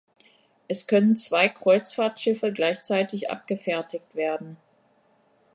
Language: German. Es können zwei Kreuzfahrtschiffe gleichzeitig abgefertigt werden.